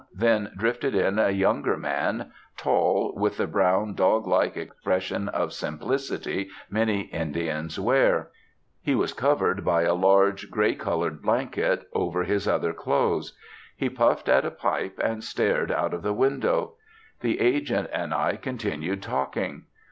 Then drifted in a younger man, tall, with that brown, dog like expression of simplicity many Indians wear. He was covered by a large grey coloured blanket, over his other clothes. He puffed at a pipe and stared out of the window. The agent and I continued talking.